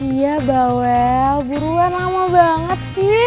iya bawel buruan lama banget sih